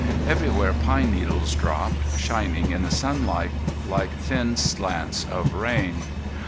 Everywhere pine needles dropped, shining in the sunlight like thin slants of rain.